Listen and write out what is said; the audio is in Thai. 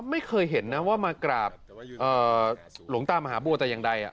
ไม่เคยเห็นนะว่ามากราบหลวงตามหาบัวแต่อย่างใด